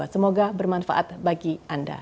semoga bermanfaat bagi anda